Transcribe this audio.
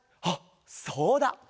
あっそうだ！